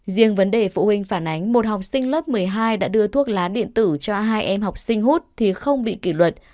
riêng vấn đề phụ huynh phản ánh một học sinh lớp một mươi hai đã đưa thuốc lá điện tử cho hai em học sinh hút thì không bị kỷ luật